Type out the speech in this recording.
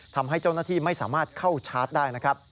ทำให้เจ้าหน้าที่ไม่สามารถเข้าชาร์จได้นะครับ